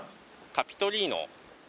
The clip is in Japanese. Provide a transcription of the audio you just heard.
カピトリーノ？